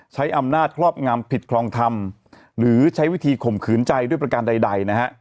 ใช้อำนาจครอบงำผิดคลองธรรมหรือใช้วิธีข่มขืนใจด้วยประการใดนะฮะ